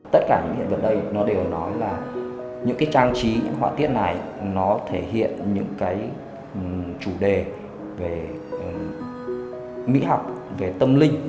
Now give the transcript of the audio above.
tất cả những hiện vật đều nói là những trang trí những họa tiết này thể hiện những chủ đề về mỹ học về tâm linh